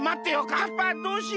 パパどうしよう！